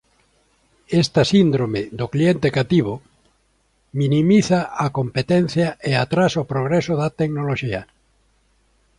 Esta "síndrome do cliente cativo" minimiza a competencia e atrasa o progreso da tecnoloxía.